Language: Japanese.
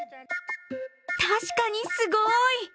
確かにすごい！